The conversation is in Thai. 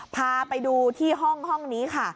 พาไปดูที่ห้องนี้ค่ะ